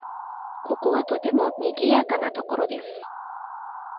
ここはとてもにぎやかな所です。